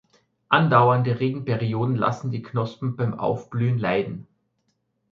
Andauernde Regenperioden lassen die Knospen beim Aufblühen leiden.